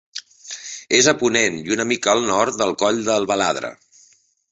És a ponent i una mica al nord del Coll del Baladre.